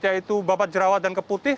yaitu babat jerawat dan keputih